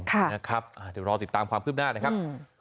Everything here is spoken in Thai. เดี๋ยวรอติดตามความคืบหน้านะครับ